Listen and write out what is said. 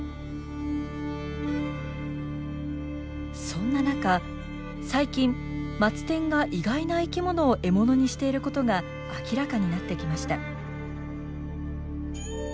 そんな中最近マツテンが意外な生き物を獲物にしていることが明らかになってきました。